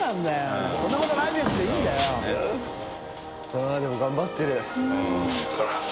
あぁでも頑張ってる。